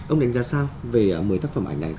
ông đánh giá sao về một mươi tác phẩm ảnh này